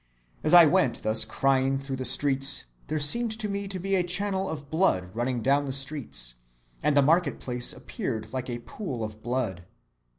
As I went thus crying through the streets, there seemed to me to be a channel of blood running down the streets, and the market‐place appeared like a pool of blood.